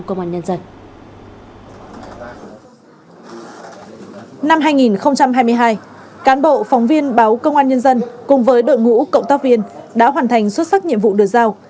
cán bộ phóng viên báo công an nhân dân cùng với đội ngũ cộng tác viên đã hoàn thành xuất sắc nhiệm vụ được giao